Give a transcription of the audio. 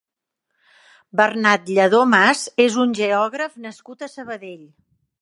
Bernat Lladó Mas és un geògraf nascut a Sabadell.